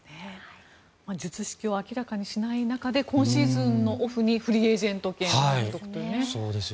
術式を明らかにしない中で今シーズンのオフにフリーエージェント権を獲得ということで。